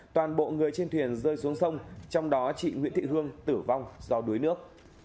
toàn bộ người trên thuyền rơi xuống sông trong đó chị nguyễn thị hương tử vong do đuối nước